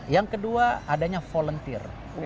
yang kedua adanya volunteer